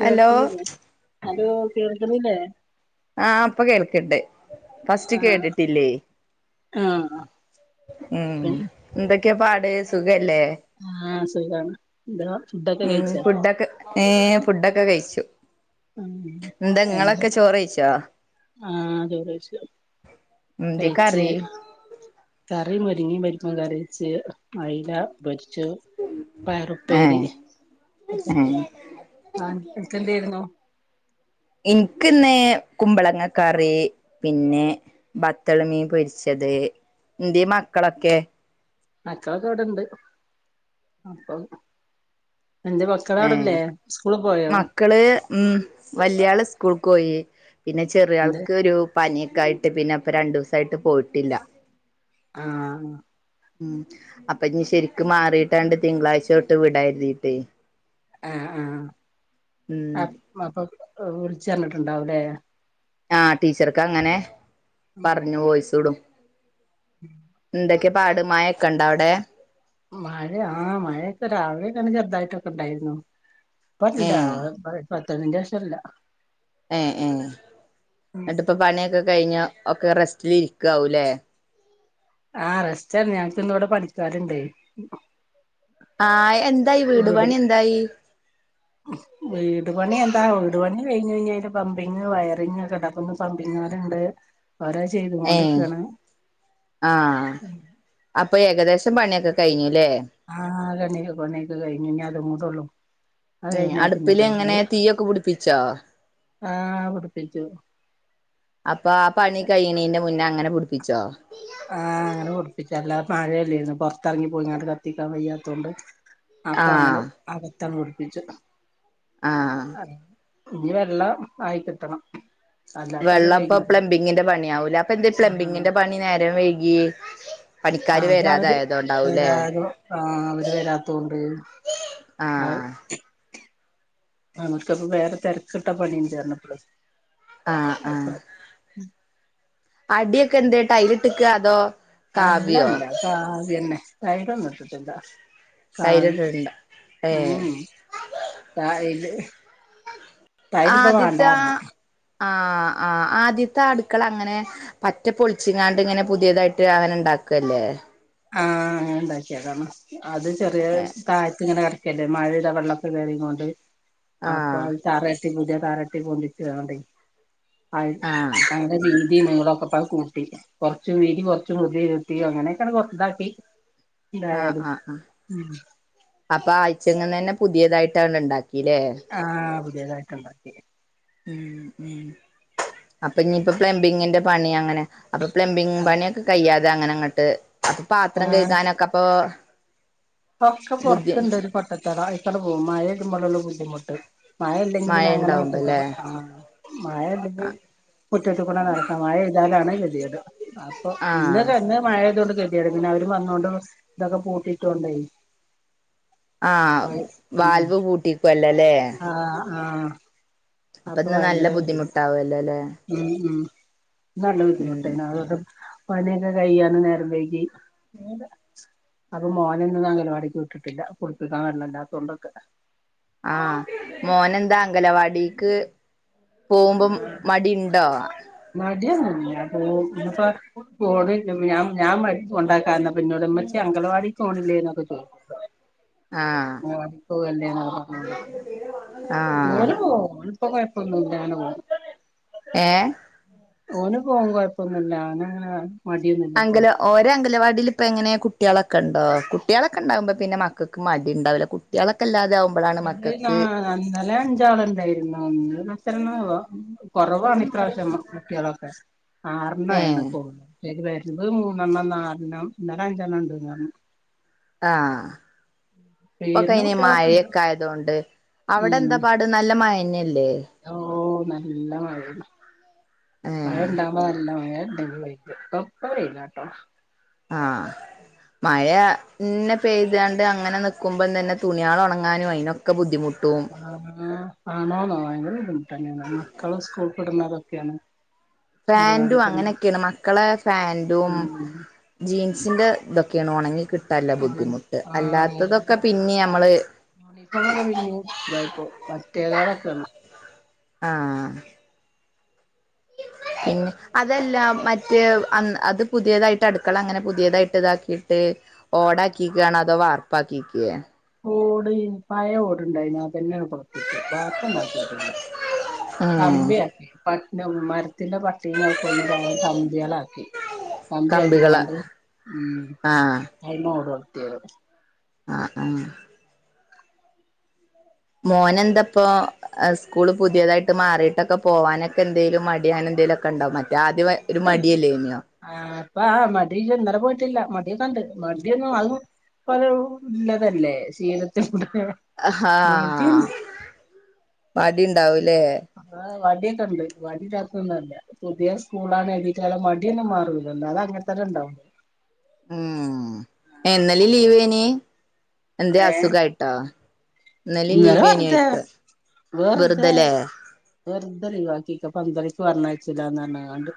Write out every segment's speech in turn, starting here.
Hello കേൾക്ക്ണില്ലേ hello കേൾക്ക്ന്നില്ലേ ആ ഇപ്പം കേൾക്ക്ണ്ട് ഫസ്റ്റ് കേട്ട് ആ ഉം ന്തേ ക്കെ പാട് സുഖ ല്ലേ ആഹ് സുഖാണ് [unintelligible] ഉം കഴിച്ചോ ഫുഡൊക്ക് ഏ ഫുഡൊ ക്കെ കഴിച്ചു ഉം എന്തെങ്ങളൊക്കെ ചോറയ്ച്ചോ ആ ചോറയ്ച്ച് എന്തെ കറി? കറി മുരിങ്ങി പരിപ്പും കറിയെച്ച്, അയ്ല പൊര് ച് പയറുപ്പേരി. ഏഹ് ഏഹ് ആൻ കെന്തേര്ന്നു? എൻക്കിന്ന് കുമ്പളങ്ങ കറി പിന്നെ ബത്തൾ മീംപൊരിച്ചത് ന്ത്യേ മക്കളൊക്കെ മക്കളൊക്കെവ്ട്ണ്ട് അപ്പം എന്തേ ഏ മക്കളവടെല്ലേ സ്കൂള് പോയോ മക്കള് ഉം വല്ല്യാള് സ്കൂൾക്കോയി പിന്നെ എന്ത് ചെറിയാൾക്കൊരു പനിയൊക്കായിട്ട് പിന്നെപ്പം രണ്ടൂസായിട്ട് പോയിട്ടില്ല ആ ഉം അപ്പഞ്ഞ് ശെര്ക്ക് മാറീട്ടണ്ട് തിങ്ക്ളായ്ചൊട്ട് വിടാ എര്തീട്ടെ ആഹ് ആഹ് ഉം അപ് മപ്പൊ ഹ് വ്ൾ ച്ചർഞ്ഞിട്ട്ണ്ടാഉലേ ആ ടീച്ചർക്കങ്ങനെ ഉം പറഞ്ഞു വോയിസ്ടും. ന്തെക്കെ പാട് മയക്കെണ്ടവ്ടേ? മഴ ആ മഴൊക്കെ രാവിലൊന്ന് ചെർതായിട്ടൊക്കെണ്ടായിരുന്നു ഏ പ്പല്ലാ [unintelligible] തതിന്റേഷല്ല ഏ ഏ എന്ട്ടിപ്പൊ പണ്യൊക്കെ കയ്ഞ്ഞോ ഒക്കെ റെസ്റ്റിലിരിക്കാവൂലേ? ആ റസ്റ്റാണ് ഞങ്ങക്ക് ഇന്ന് ഇവ്ടെ പണിക്കാര്ണ്ടെ ആ എൻ വീട് വീട്പണിയെന്താ വീട് പണി കഴിഞ്ഞഴിഞ്ഞാല് പമ്പിങ് വയറിങ് [unintelligible] പമ്പിങ്ങാര്ണ്ട്. ഏ ആ അപ്പൊ ഏകദേശ് ത്ത് പണിക്കെ കയ്ഞ്ഞീ ആ [unintelligible] പണ്യൊക്കെ കഴ്ഞ്ഞു ഇഞ്ഞതുംകൂടൊള്ളൂ ഉം അടുപ്പിലെങ്ങനെ തീയൊക്കെ പുടിപ്പിച്ചോ ആ പിടിപ്പിച്ചു അപ്പൊ ആ പണി കയ്യിണീന്റെ മുന്നങ്ങനെ പുട്പ്പിച്ചോ ആഹ് ങ്ങനെ പുട്പ്പിച്ചല്ലാത് മയല്ലേഞൊ പൊർത്തർങ്ങി പോയിങ്ങാണ്ട് കത്തിക്കാൻ വയ്യാത്തൊണ്ട് ആ അപ്പൊ അങ്ങട് ആണ് തങ്ങട്പ്പിച്ചു ആ ഞ്ഞി വെള്ളം ആയികിട്ടണം. വെള്ളംപ്പോ പ്ലംബിങ്ങിന്റെ പണിയാവൂലെ അപ്പന്തേ ആഹ് പ്ലംബിങ്ങിന്റെ പണി നേരം വെയ് ഈ ആതവര് വരാതോ ആഹ് വര് വരാത്തോണ്ട് ആഹ് [unintelligible] നമുക്കിപ്പ വേറെ തെരക്കിട്ട പണി ഇണ്ട് പർഞ്ഞപ്പളെ ആഹ് ആഹ് അടിയൊക്കെ എന്തേ ടൈലിട്ടക്കാ അതോ കാവിയോ അല്ലല്ല കാവിയെന്നെ ടൈലൊന്നും ഇട്ടിട്ടില്ല കാവി ടൈലിട്ടിട്ടുണ്ടോ ഏഹ് ഉം ടൈല് ആദ്യത്താ ആഹ് ആഹ് ആദ്യത്തെ അടുക്കള അങ്ങനെ പറ്റെ പൊളിച്ചിങ്ങാണ്ട് ഇങ്ങനെ പുതിയതായിട്ട് അങ്ങനെണ്ടാക്കല്ലേ ആഹ് അങ്ങനെ ഇണ്ടാക്കിയതാണ് അത് ചെറിയ ആഹ് താഴത്തിങ്ങനെ എറക്ക് ക്കല്ലെ മഴ പെയ്താ വെള്ളൊക്കെ കേറിങ്ങോണ്ട് അപ്പോ അത് തറ ട്ടി പുതിയ തറെട്ടി പൊന്തിച്ച് കാണ്ടേ ആഹ് [unintelligible] ആഹ് അങ്ങനെ ചെയ് ഈ നീളൊക്കെ ഇപ്പ കൂട്ടി കൊറച്ച് വീതി കൊറച്ച് [unintelligible] ചെത്തി അങ്ങനെയങ്ങ് കൊറച്ച് താക്കി ആഹ് ആഹ് ആഹ് അപ്പാ ആയ്ച്ചെങ്ങന്നന്നെ പുതിയതായിട്ടവള് ണ്ടാകി ആഹ് പുതിയതായി ക്കണ്ടാക്കി. ഉം ഉം അപ്പൊ ഇഞ്ഞിപ്പ പ്ലംബിങ്ങിന്റെ പണി അങ്ങനെ അപ്പൊ പ്ലംബിങ് പണി ഒക്കെ കയ്യാ തെ അങ്ങനങ്ങട്ട് അപ്പം പാത്രം ആഹ് കഴുകാനൊക്ക അപ്പൊ ഒക്കെ ബുദ്ധി പൊറത്ത്ണ്ട് ഒരു കൊട്ടത്തളം അയ്ക്കാണ്ട് പോവും. മഴജ്ജുമ്പളൊള്ളൂ ബുദ്ധിമുട്ട്. മഴ ഇല്ലെങ്കി പിന്നെ അങ്ങനെ മുറ്റത്ത് കൂ ആഹ് മഴ ഇല്ലെങ്കി മുറ്റത്ത്ക്കൂട ണ്ട് നടക്കാ. മഴെയ്താലാണ് ഗെതികേടാ അപ്പൊ ആഹ് ഇന്നലെ തന്നെ മഴപെയ്തോണ്ട് കേ [unintelligible] അവര് വന്നോണ്ട് ഇതൊക്കെ പൂട്ടിട്ടൊണ്ടേ ആ ഉം വാൽവ് പൂട്ടീക്കുവല്ലല്ലേ ആഹ് ആഹ് അപ്പൊ ഇന്ന് ഭയങ്കര നല്ല ബുദ്ധിമു ബുദ്ധിമുട്ടാവും അല്ലേല്ലെ ഉം ഉം നല്ല ബുദ്ധിമുട്ടേനും അതോണ്ട് പണിയൊക്കെ കഴിയാനും നേരം വൈകി അപ്പൊ മോനൊന്നും അങ്കണവാടിക്ക് വിട്ടിട്ടില്ല കുളുപ്പിക്കാൻ വെള്ളല്ലാത്തത് കൊണ്ടൊക്കെ ആ മോനെന്താ അംഗനവാടിക്ക് പോകുമ്പോ മടീണ്ടോ ഇല്ല പോ ഇന്നുപ്പ പോണി ഞാൻ ഞാൻ കൊണ്ടാകാന്ന് പറഞ്ഞപ്പോ ഇന്നോട് മ്മച്ചി അംഗലവാടിക്ക് പോണില്ലേ എന്നൊക്കെ ചോദി ആഹ് മോൻക്ക് വല്യ നേരന്നോല്യ ആഹ് ഓന് പോവും ഇപ്പൊ കൊഴപ്പൊന്നും ഇല്ലാ അങ്ങനെ പോന്ന് ഏ ഓന് പോകും കൊഴപ്പൊന്നൂല്ല നാങ്ങനെ അംഗല ഓരോ അംഗലവാടി ഇതിൽപ എങ്ങനാ കുട്ടികളൊക്കെ ഉണ്ടോ കുട്ടികളൊക്കെണ്ടാകുമ്പോ പിന്നെ മക്കൾക്ക് മടിണ്ടാവില്ല കുട്ടികളക്കെല്ലാതെ ഇന് ആ ഇന്നലെ അഞ്ചാളുണ്ടായിരുന്നു ഇന്ന് ച്ചിരുന്ന് കൊറവ് വാണ് ഇപ്രാവശ്യം മൊത്തട്ടിയാളാ വേശ ആറണ്ണം ഏ ഏഴെണ്ണം ഒക്കെള്ളൂ പര് വരവ് മൂന്നെണ്ണം നാലെണ്ണം ഇന്നലെ അഞ്ചെണ്ണം ഉണ്ടെന്ന് പറഞ്ഞ് ആ പേരിന് പപ്പൊക്കെയിനി കുട്ടികളൊക്കെ ഉണ്ട് മഴയൊക്കെ ആയതൊണ്ട് അവിടെ ഉം എന്താ പാട് നല്ല ന്ന മഴന്നെ അല്ലേ ഓ നല്ല മഴേണ് ഏഹ് മയണ്ടാപാടില്ല മയ ഉണ്ടെങ്കി വൈറ്റ് ഇപ്പൊക്കോ വെയിലാ ട്ടോ ആ മഴ പിന്നെ പെയ്താണ്ട് അങ്ങനെ നിക്കുമ്പം തന്നെ തുണിയള് ഒണങ്ങാനും അതിനൊക്കെ ബുദ്ധിമുട്ട് ആ ആണോന്നോ ഭയങ്കര ബുദ്ധിമുട്ട് തന്നേണ് മക്കള് സ്കൂ തൊടുന്നതൊക്കെയാണ് പാന്റും അങ്ങനൊക്കെയാണ് മക്കളെ ഫാൻ്റും ജീൻ സിൻ്റെ ആ ഒണങ്ങി ആ ഒണങ്ങി അല്ലാത്തതൊക്കെ കിട്ടാൻ പിന്നെ നമ്മള് യൂണിഫോമൊക്കെ പിന്നിം ഇതായ്ക്കോളും മറ്റെതാളൊക്കെയാണ് ആഹ് പിന്നെ അതല്ലാ മറ്റ [unintelligible] അന്ന് അത് പുതിയെതായിട്ട് അടുക്കളാ അങ്ങനെ പുതിയെതായിട്ട് ഇതാക്കിയിട്ട് ഓടാക്കികാണോ അതോ വാർ പ്പാക്കിക്കെ ഓടെയിനി പഴെ ഓട് ഇണ്ടായിനി അപ്പോ ഇതെന്നെ ആണ്ട് കൊൾത്തി ഇട്ടു വാർപ്പൊന്നും ആക്കീട്ടില്ല ഉം കമ്പി ആക്കി [unintelligible] [unintelligible] മരത്തിന്റെ പട്ടികിം കൗക്കോൽനും പകരം കമ്പിയാളാക്കി കമ്പി കമ്പികള് ആക്കികാണ്ട് ഉം അയിമ്മെ ഓട് കൊ ത്തിയോ ആ ആ മോൻ എന്താപ്പോ സ്കൂൾ പുതിയതായിട്ട് മാറിയിട്ടൊക്കെ പോവാനെക്കെ എന്തേലും മടി അങ്ങനെ എന്തേലുയെക്കെ ഇണ്ടാവും മ ആദ്യ വെ ഒര് മടി അല്ലെയ്നോ പ്പം ആ മടി ഇന്നലെ പോയിട്ടില്ല മടിയൊക്കെ ഇണ്ട് മടിയൊന്നും അയ് വിട്ട് ഇപ്പ അതൊരു ഇള്ളതല്ലേ ശീലത്തിന് വിടാ ആഹാ മടി ഇണ്ടാവും ലെ മടിയൊക്കെ ഇണ്ട് മടിയില്ലാത്തെ ഒന്നും അല്ലാ പുതിയെ സ് സ്കൂളാണ് കര്തിട്ട് അയുടെ മടിയൊന്നും മാറുലല്ലോ അത് അങ്ങൻ തെന്നെ ഇണ്ടാവും ഉം ഏ ഇന്നെലിം ലീവെയ്നി എന്തെ അസുഖായിട്ടോ ഇന്നെലിം ഇന്നലെ ലീവെയ്നി വെറുതെ ചോയ്ക്കാ വെർതെ ലെ വെർതെ ലീവാക്കെക്കാ പന്തളിക്ക് പർഞ്ഞയ്ച്ച്‌ലാന്ന് പർണാണ്ട്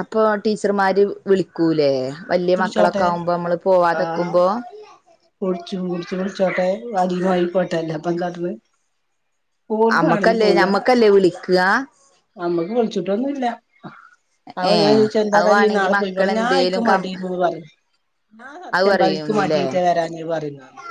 അപ്പൊ ടീച്ചറ്മാര് വിളിക്കൂലെ വിൾച്ചോട്ടെ ആ വുൾച്ചും വുൾച്ച് വുൾച്ചോട്ടെ [unintelligible] പോട്ടെ അല്ലാപ്പം എന്താട്ട്ണ് അമ്മക്കല്ലേ ഞമ്മക്കല്ലേ വിളി ക്കാ നമ്മക്ക് വിൾച്ചിട്ടൊന്നുയില്ല അപ്പം ഏ ഞാൻ ചോയിച്ച് അത് എന്താടാ നീ വേണെങ്കി നാളെ പോയി പറിം ഞാൻ ഇക്ക് മക്കളെന്തേലും കം മടിയെന്നുന്ന് പറിം ഞാൻ അത് സത്യം പറിം ഇക്ക് പറയുന്നില്ലേ മടിയായിട്ടാ വെരാഞ്ഞേ പറിംന്ന് പറഞ്ഞു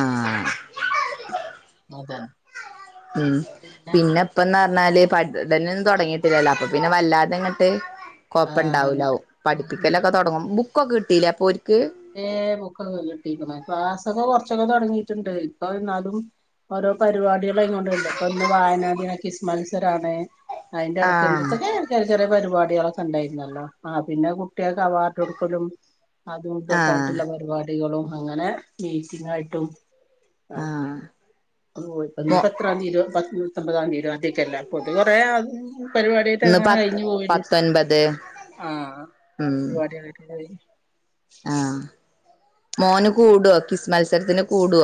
ആഹ് ഉം പിന്നെ ഇപ്പന്നാ ന്നാല് പഠനെന്നും തെടങ്ങിട്ടില്ലല്ലോ അപ്പം പിന്നെ വല്ലാതാങ്ങട്ട് ആ കൊഴ്പ്പണ്ടാവുലാവും പഠിപ്പിക്കാലൊക്കെ തൊട്ങ്ങു ബു ഒക്കെ കിട്ടിലെ അപ്പ ഓര് യെ ബുക്കൊക്കെ കിട്ടിക്ക്ണ് ക്ലാസ്സൊക്കെ കൊർ ച്ചക്കെ തൊടങ്ങീട്ടിണ്ട് ഇപ്പം എന്നാലും ഓരോ പരിപാടികളായ്ങ്ങോണ്ടല്ലേ ഇപ്പന്ന് വായനാ ദിന കിസ് മത്സരാണ് അതിന്റെ എടക്ക് ആഹ് എത്തൊക്കെ ചെറിയ ചെറിയ പര് പാട്യാളൊക്കെ ഇണ്ടായിരുന്നല്ലോ ആ പിന്നെ കുട്ട്യാൾക്ക് അവാർഡ് കൊടുക്കലും അതു ആഹ് തായിട്ടുള്ള പരിപാടികളും അങ്ങനെ മീറ്റിങ്ങായിട്ടും ആഹ് ഇന്നിപ്പത്രാം തീ ഇരുപത്തി ത്തൊമ്പതാന്തി ഇരുവ [unintelligible] കൊറേ അ പരിപാടിയായിട്ട് ഇന്ന് പ അങ്ങനെ കയിഞ്ഞു പോയിത് സ് പത്തൊൻപത് ആ ഉം [unintelligible] ആഹ് മോന് കൂടോ കിസ് മത്സരത്തിന് കൂടോ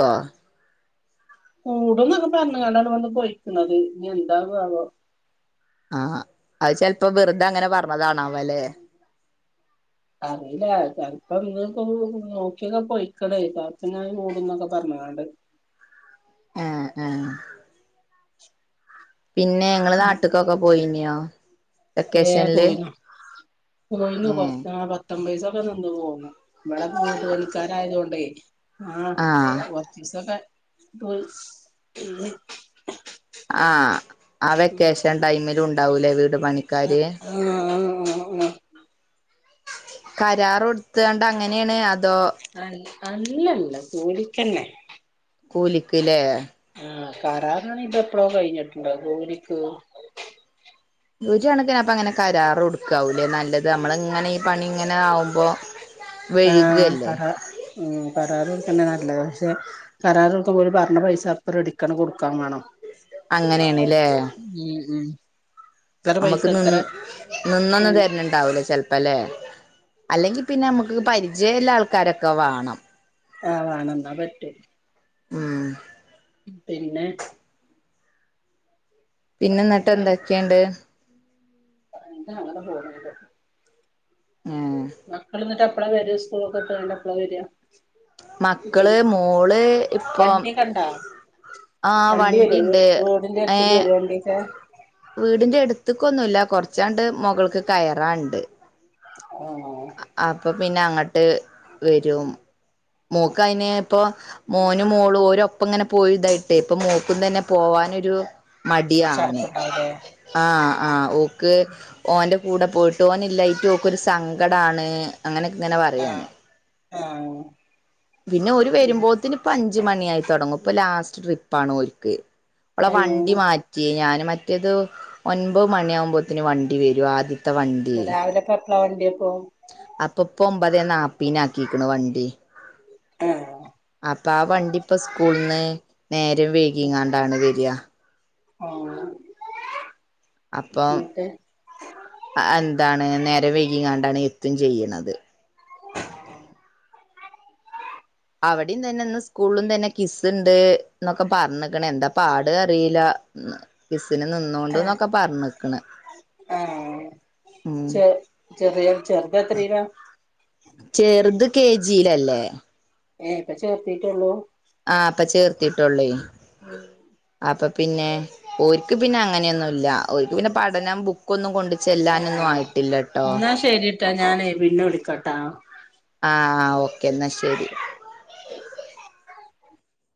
കൂടുന്നൊക്കെ പർഞ്ങാണ്ടാണ് ഇവട്ന്ന് പൊയ്ക്ക്ണത് ഇനി എന്താവു ആവോ ആഹ് അത് ചെൽപ്പം വെർതെ അങ്ങനെ പറഞ്ഞതാണാവലെ അറീല്ല ചെൽപ്പം ഇന്ന്പ്പം നോക്ക്യൊക്കെ പോയിക്ക്ണ് [unintelligible] ഞാൻ കൂടന്നൊക്കെ പറഞ്ങാണ്ട് ആഹ് ആ പിന്നെ ഇങ്ങള് നാട്ട്ക്കൊക്കെ പോയിന്യോ ആഹ ഏ പോയിന്നു പോയിന്നു പ ഏഹ് പത്തൊമ്പീസം ക്കെ നിന്നു പോന്നു വെടെ വീഡ് പണിക്കാരായതോണ്ടേ ആഹ് വൊർച്ചീസൊക്കെ [unintelligible] ആ ആ വെക്കേഷൻ ടൈമിലു ണ്ടാവൂലെ വീ ട് പണിക്കാര് ആഹ് ആഹ് കരാറൊട് അ അല്ലല്ല ജോലിക്കെന്നെ കൂലിക്ക് ലേ ആ കരാറ്ന്നറിമ്പൊ ഇപ്പ എപ്പളോ കൈഞ്ഞിട്ടുണ്ടാവും ഗോലിക്ക ഒരണക്കിനപ്പങ്ങനെ കരാറൊട്ക്കാവൂല്ലേ നല്ലത് അമ്മള് ഇങ്ങനെ ഈ പണി ഇങ്ങനെ ആവുമ്പോ ആഹ വൈകല്ലേ കറ ഉം കരേറൊട്ക്കെന്നെ നല്ലത് പക്ഷെ കരാറ്പ്പൊ ഓല് പർഞ്ഞ പൈസ അപ്പ റെഡിക്കണ് കൊട്ക്കാൻ വാണം അങ്ങനേണ്ല്ലേ ഉം ഇത്ര പൈസ നമുക്ക് നി ഇത്ര നിന്നൊന്ന് ഉം തര്നിണ്ടാവൂല ചെലപ്പലേ അല്ലെങ്കിൽ പിന്നെ മ്മക്ക് പ രിജയള്ളാൾക്കാരൊക്കെ വാണം ആഹ് വേണന്നാ പറ്റും ഉം പിന്നെ പിന്നെ ന്നിട്ട് എന്താ എന്തൊക്കെണ്ട് എന്താ അങ്ങനെ പോണുണ്ട് ഉം മക്കള് എന്നിട്ട് അ എപ്പളാ വര്കാ സ്കൂളൊക്കെ വിട്ട് എപ്പളാ വര്കാ മക്കള് മോള് ഇപ്പം വണ്ടിയൊക്കെ ഇണ്ടാ ആ വരോ വണ്ടി ണ്ട് വീടിന്റെ അടുത്തേക്ക് ഏഹ് വരോ വണ്ടിയൊക്കെ വീടിന്റെ അടുത്ത് കു ക്കൊന്നുവില്ല കൊറച്ചാണ്ട് മൊകൾക്ക് കയറാണ്ട് അപ്പൊ ആ പിന്നെ അങ്ങട്ട് വേരും മോക്ക് അയിന് ഇപ്പൊ മോനും മോളും ഓരോപ്പം ഇങ്ങനെ പോയി ഇതായിട്ടേ ഇപ്പൊ മോക്കും തന്നെ പോവാനൊരു മടിയാണ് ചടപ്പുണ്ടാവുല്ലേ ആ ആ ഓക്ക് ഓന്റെ കൂടെ പോയിട്ട് ഒനില്ലായിട്ട് ഓക്ക് ഒരു സങ്കടാണ് അങ്ങനെ ഇങ്ങനെ പറയാണ് ആ പിന്നെ ഓര് വരുമ്പോത്തിന് ഇപ്പ അഞ്ച് മണിയായി തൊടങ്ങും ഇപ്പൊ ലാസ് റ്റ് ട്രിപ്പാണ് ഓര്ക്ക്‌ ഓള വണ്ടി ഏഹ് മാറ്റിയെ ഞാനും മറ്റേത് ഒൻപത് മണിയാകുമ്പോത്തെന് വണ്ടി വരും ആദ്യ ത്താ വണ്ടിയെ പ്പളാ വണ്ടിയ അപ്പൊപ്പൊ ഒമ്പതേ നാപ്പീന ആക്കിക്ക്‌ണ് വണ്ടി ആഹ് അപ്പൊ ആ വണ്ടി ഇപ്പൊ സ്കൂളന്ന് നേരം വൈകിങ്ങാണ്ടാണ് വര്ക ആ അപ്പം എന്താണ് നേരെ വൈകികാ ണ് എത്തും ചെയ്യണത് [inaudible] അവിടെയും തന്നെ ഇന്ന് സ്കൂളും തന്നെ കിസ്സ് ണ്ട് ന്നൊക്കെ പറഞ്ഞക്ക്ണ് എന്താ പാട് അറിയില്ല കിസ് ആ ആ ഉം ചെറിയ ചെറുത് എത്രയില ചെറുത് കെ ജിയിലല്ലേ ഏഹ് ഇപ്പ ചേർത്തിട്ടേള്ളൂ ആ ഇപ്പ ചേർ ത്തിട്ടോളെ അപ്പൊ പിന്നെ ഒര്ക്ക് പിന്നെ അ അങ്ങനെയൊന്നും ഇല്ല ഓൽക്ക്‌ പിന്നെ പഠനം ബുക്കൊന്നും കൊണ്ട് ആ ചെല്ലാനൊന്നും ആയിട്ടില്ലട്ടോ എന്നാ ശരിട്ടാ ഞാനെ പിന്നെ വിളിക്കട്ട ആ ആ, ഓക്കേ എന്നാ ശരി